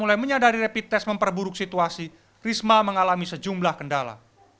mulai menyadari rapid test memperburuk situasi risma mengalami sejumlah kendala